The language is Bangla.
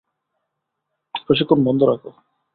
প্রশিক্ষণ বন্ধ রাখো।